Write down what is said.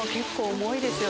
重いですよ。